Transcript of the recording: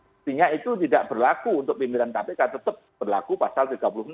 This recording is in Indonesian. mestinya itu tidak berlaku untuk pimpinan kpk tetap berlaku pasal tiga puluh enam